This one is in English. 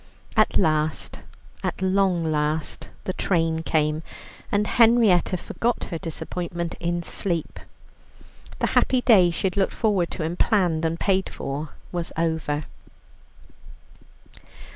At last, at long last, the train came, and Henrietta forgot her disappointment in sleep. The happy day she had looked forward to, and planned, and paid for, was over.